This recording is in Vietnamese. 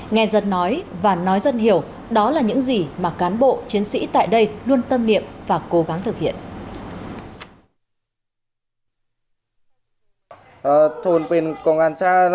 nghe dân nói và nói dân hiểu đó là những gì mà cán bộ chiến sĩ tại đây luôn tâm niệm và cố gắng thực hiện